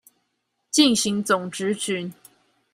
進行總質詢